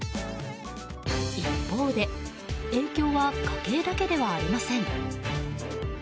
一方で影響は家計だけではありません。